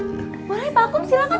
boleh pak kum silahkan